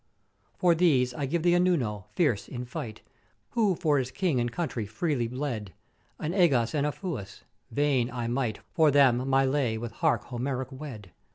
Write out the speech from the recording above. For these I give thee a Nuno, fierce in fight, who for his King and Country freely bled; an Egas and a Fuas; fain I might for them my lay with harp Homeric wed!